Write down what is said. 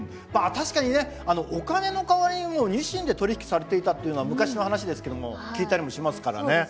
確かにねお金の代わりにニシンで取り引きされていたっていうのは昔の話ですけども聞いたりもしますからね。